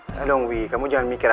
ya dong wi kamu jangan mikir